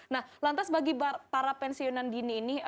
nah lantas bagi para pensiunan dini ini